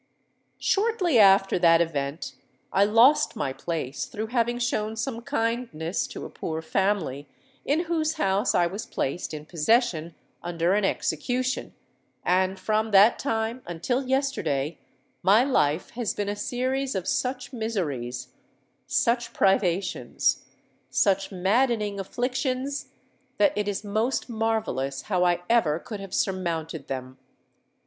"Shortly after that event, I lost my place through having shown some kindness to a poor family in whose house I was placed in possession under an execution; and from that time, until yesterday, my life has been a series of such miseries—such privations—such maddening afflictions, that it is most marvellous how I ever could have surmounted them.